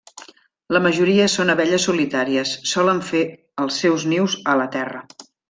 La majoria són abelles solitàries; solen fer els seus nius a la terra.